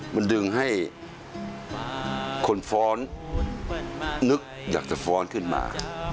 มันดึงให้คนฟ้อนนึกอยากจะฟ้อนขึ้นมา